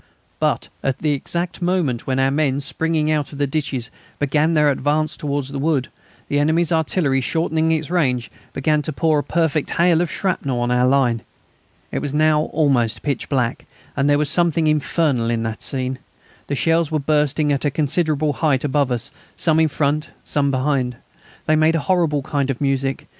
But at the exact moment when our men, springing out of the ditches, began their advance towards the wood, the enemy's artillery, shortening its range, began to pour a perfect hail of shrapnel on our line. It was now almost pitch dark, and there was something infernal in the scene. The shells were bursting at a considerable height above us, some in front, some behind. They made a horrible kind of music.